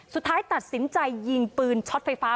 สุดท้ายตัดสินใจยิงปืนช็อตไฟฟ้า